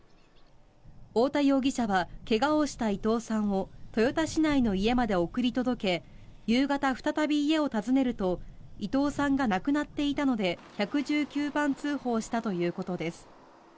太田容疑者は怪我をした伊藤さんを豊田市内の家まで送り届け夕方再び家を訪ねると伊藤さんが亡くなっていたので１１９番通報したということです。